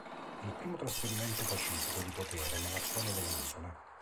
È il primo trasferimento pacifico di potere nella storia delle isole.